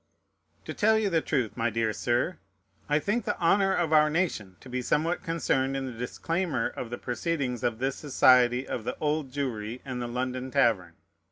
To tell you the truth, my dear Sir, I think the honor of our nation to be somewhat concerned in the disclaimer of the proceedings of this society of the Old Jewry and the London Tavern.